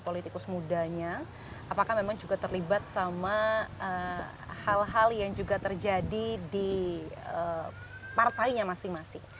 politikus mudanya apakah memang juga terlibat sama hal hal yang juga terjadi di partainya masing masing